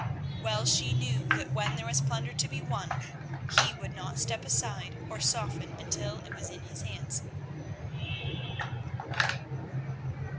Well she knew that when there was plunder to be won, he would not step aside or soften until it was in his hands.